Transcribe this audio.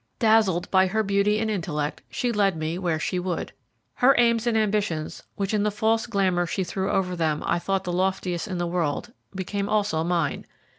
Dazzled by her beauty and intellect, she led me where she would. Her aims and ambitions, which in the false glamour she threw over them I thought the loftiest in the world, became also mine.